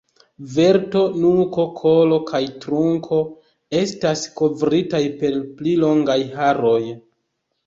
Verto, nuko, kolo kaj trunko estas kovritaj per pli longaj haroj.